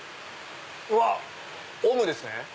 うわっオムですね！